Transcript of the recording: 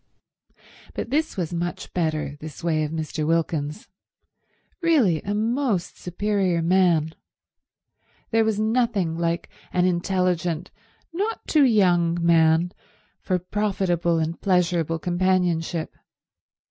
But this was much better, this way of Mr. Wilkins's. Really a most superior man. There was nothing like an intelligent, not too young man for profitable and pleasurable companionship.